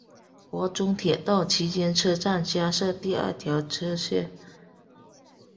华中铁道期间车站加设第二条侧线。